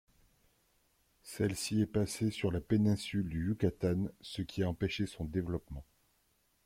Celle-ci est passée sur la péninsule du Yucatán ce qui a empêché son développement.